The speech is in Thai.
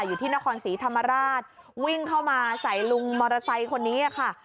อยู่ที่นครศรีธรรมราชวิ่งเข้ามาใส่ลุงมอเตอร์ไซค์คนนี้ค่ะ